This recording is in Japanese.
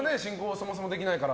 そもそもできないから。